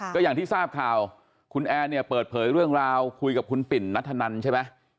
ก็อย่างที่ทราบข่าวคุณแอร์เนี่ยเปิดเผยเรื่องราวคุยกับคุณปิ่นนัทธนันใช่ไหม